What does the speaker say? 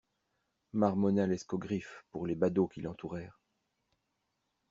Marmonna l'escogriffe pour les badauds qui l'entourèrent.